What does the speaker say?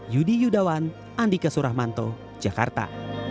yudi yudawan andika suramanto jakarta